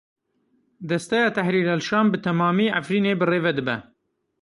Desteya Tehrîr el-Şam bi temamî Efrînê birêve dibe.